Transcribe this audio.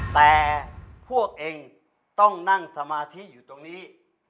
แต่พวกเองต้องนั่งสมาธิอยู่ตรงนี้